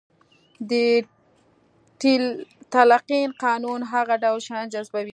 د تلقين قانون هغه ټول شيان جذبوي.